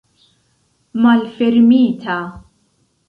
malfermita